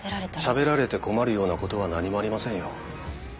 しゃべられて困るようなことは何もありませんよ。